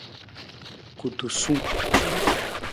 Kutusung.